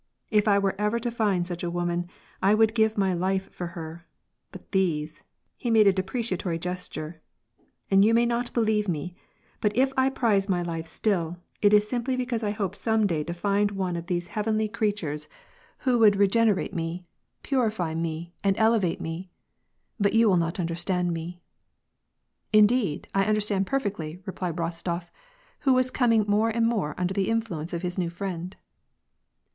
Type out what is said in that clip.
If I were ever to find such a woman, I would give my life for her. But these !"— he made a depreciatory gesture. " And you may not believe me, but if I prize my life still, it is sinii)ly because I hope some day to find one of these heavenly creat 44 WAR AND PEACE. ures, who would regenerate me, purify me, and elevate me. But you wUl not understand me." " Indeed, I understand perfectly," replied Kostof, who was coming more and more under the influence of his new friend.